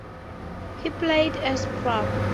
He played as prop.